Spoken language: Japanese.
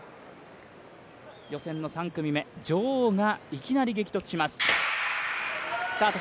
予選の３組目、女王がいきなり激突します。